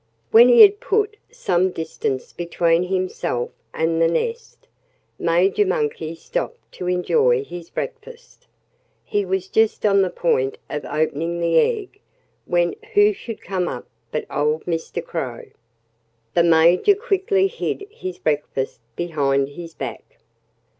When he had put some distance between himself and the nest, Major Monkey stopped to enjoy his breakfast. He was just on the point of opening the egg, when who should come up but old Mr. Crow. The Major quickly hid his breakfast behind his back.